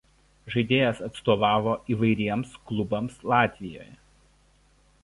Žaidėjas atstovavo įvairiems klubams Latvijoje.